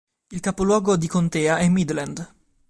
Il capoluogo di contea è Midland.